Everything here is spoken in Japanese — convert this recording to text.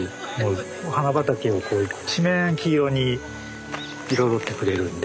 お花畑をこう一面黄色に彩ってくれるんで。